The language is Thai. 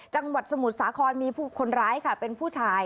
จังหวัดสมุทรสาครมีคนร้ายค่ะเป็นผู้ชาย